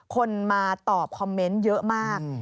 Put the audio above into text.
คนมาตอบคอมเมนต์เยอะมาก